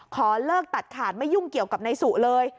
ขอเลิกตัดขาดไม่ยุ่งเกี่ยวกับนายสุเลย